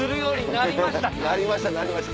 なりましたなりました。